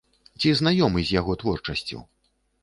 Ці знаёмы з яго творчасцю?